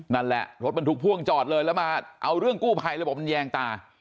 นั่นแหละรถบรรทุกพ่วงจอดเลยแล้วมาเอาเรื่องกู้ภัยเลยบอกมันแยงตา